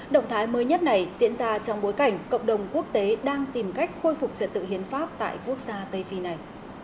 động thái mới nhất này diễn ra trong bối cảnh cộng đồng quốc tế đang tìm cách khôi phục trật tự hiến pháp tại quốc gia tây phi này